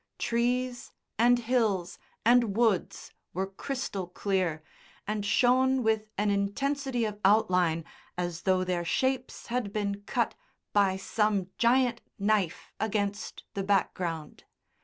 Trees and hills and woods were crystal clear, and shone with an intensity of outline as though their shapes had been cut by some giant knife against the background.